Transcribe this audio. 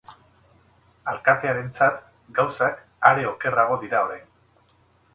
Alkatearentzat, gauzak are okerrago dira orain.